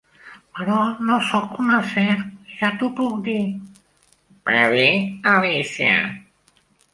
"Però no soc una serp, ja t"ho puc dir", va dir Alícia.